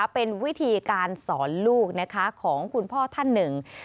เป็นวิธีการสอนลูกของคุณพ่อท่านหนึ่ง